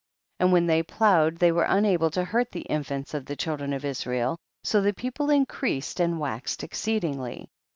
59. And when they ploughed they were unable to hurt the infants of the children of Israel, so the people in creased and waxed exceedingly 60.